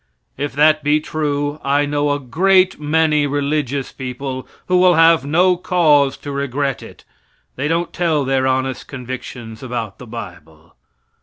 If that be true, I know a great many religious people who will have no cause to regret it they don't tell their honest convictions about the bible.